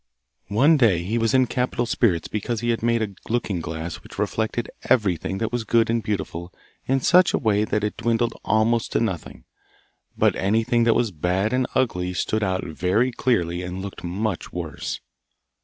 One day he was in capital spirits because he had made a looking glass which reflected everything that was good and beautiful in such a way that it dwindled almost to nothing, but anything that was bad and ugly stood out very clearly and looked much worse.